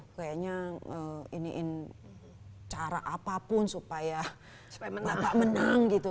saya tidak ingin cara apapun supaya mbak menang gitu